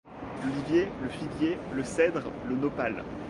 L’olivier, le figuier, le cèdre, le nopal